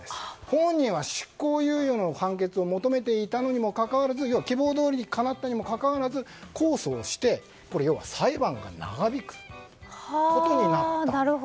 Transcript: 本人は執行猶予の判決を求めていたにもかかわらず希望どおりにかなったにもかかわらず控訴して要は、裁判が長引くことになった。